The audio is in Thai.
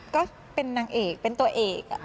ก็เป็นนางเอกเป็นตัวเอก